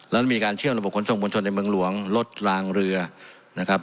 นั้นมีการเชื่อมระบบขนส่งมวลชนในเมืองหลวงลดลางเรือนะครับ